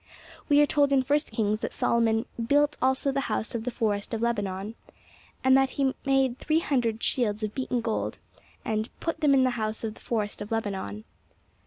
We are told in First Kings that Solomon 'built also the house of the forest of Lebanon,' and that 'he made three hundred shields of beaten gold' and 'put them in the house of the forest of Lebanon.'